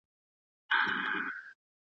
د مال او سر ساتنه د نظام مسووليت دی.